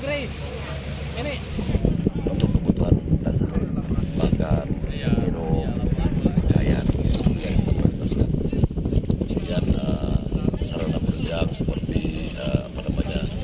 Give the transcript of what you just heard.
untuk kebutuhan dasar makan hidup perjayaan dan sarana penerjang seperti apa namanya